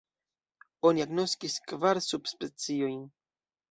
Oni agnoskis kvar subspeciojn.